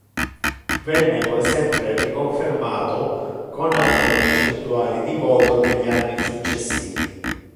Venne poi sempre riconfermato con alte percentuali di voto negli anni successivi.